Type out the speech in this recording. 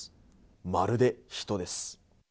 まるで人です。